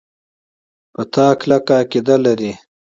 په تا کلکه عقیده لري.